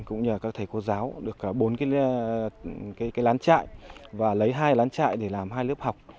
cũng như là các thầy cô giáo được bốn cái lán chạy và lấy hai lán chạy để làm hai lớp học